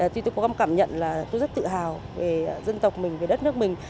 thì tôi có một cảm nhận là tôi rất tự hào về dân tộc mình về đất nước mình